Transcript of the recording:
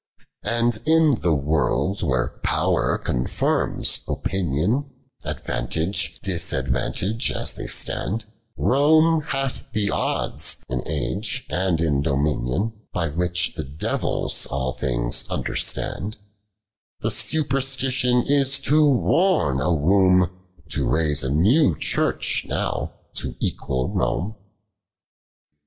And in the world where Pow'r contirms Opinion, Advantage, disadvantage as they stand ; Koine hath the odds in age and in dominion ; By which the devils all things understand, Tlie superstition is too worn a womb To raise a new Church now to equal Home.